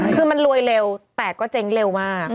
คือมันรวยเร็วแต่ก็เจ๊งเร็วมาก